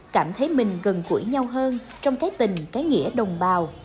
cảm thấy mình gần gũi nhau hơn trong cái tình cái nghĩa đồng bào